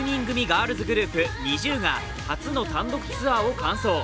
ガールズグループＮｉｚｉＵが初の単独ツアーを完走。